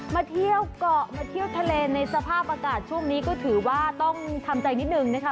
มาเที่ยวเกาะมาเที่ยวทะเลในสภาพอากาศช่วงนี้ก็ถือว่าต้องทำใจนิดนึงนะคะ